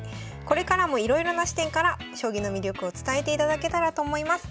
これからもいろいろな視点から将棋の魅力を伝えていただけたらと思います。